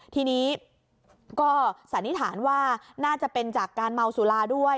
ทีนี้ก็สันนิษฐานว่าน่าจะเป็นจากการเมาสุราด้วย